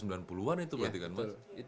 sembilan puluh an itu berarti kan mas